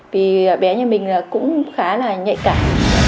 vì bé nhà mình là cũng khá là nhạy cảm